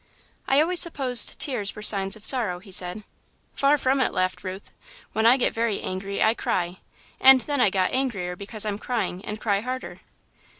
"I always supposed tears were signs of sorrow," he said. "Far from it," laughed Ruth. "When I get very angry, I cry, and then I got angrier because I'm crying and cry harder."